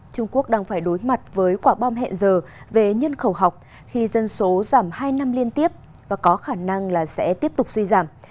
trung quốc đang phải đối mặt với quả bom hẹn giờ về nhân khẩu học khi dân số giảm hai năm liên tiếp và có khả năng là sẽ tiếp tục suy giảm